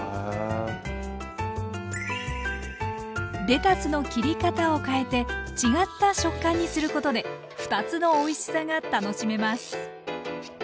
レタスの切り方を変えて違った食感にすることで２つのおいしさが楽しめます。